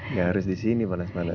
nggak harus di sini panas panas